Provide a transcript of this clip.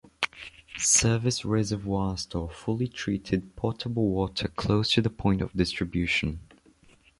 Service reservoirs store fully treated potable water close to the point of distribution.